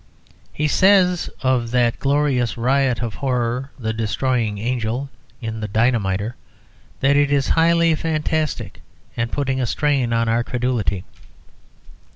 He says of that glorious riot of horror, "The Destroying Angel," in "The Dynamiter," that it is "highly fantastic and putting a strain on our credulity."